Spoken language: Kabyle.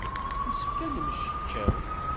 Yessefk ad nemmecčaw.